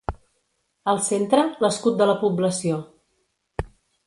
Al centre, l'escut de la població.